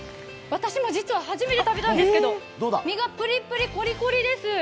私も実は初めて食べたんですけど、身がぷりぷり、こりこりです。